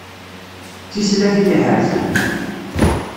D tislatin iḥerzen.